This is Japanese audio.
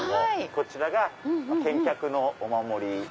こちらが健脚のお守り。